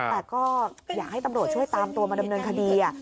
แต่ก็อยากให้ตำรวจช่วยตามตัวมาดำเนินคดี